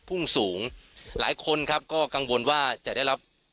พุ่งสูงหลายคนครับก็กังวลว่าจะได้รับ